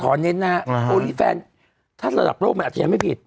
ขอเน้นนะฮะออลิแฟนถ้าสำหรับโลกมันอาจจะยังไม่ผิด